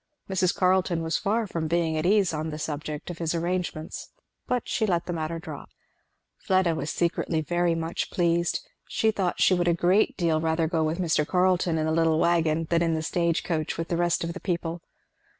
Mrs. Carleton was far from being at ease on the subject of his arrangements, but she let the matter drop. Fleda was secretly very much pleased. She thought she would a great deal rather go with Mr. Carleton in the little wagon than in the stage coach with the rest of the people.